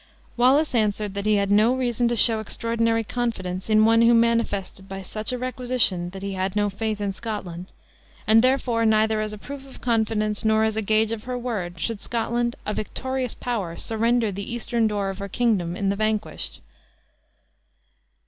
Wallace answered, that he had no reason to show extraordinary confidence in one who manifested, by such a requisition, that he had no faith in Scotland; and therefore, neither as a proof of confidence, nor as a gauge of her word, should Scotland, a victorious power, surrender the eastern door of her kingdom in the vanquished.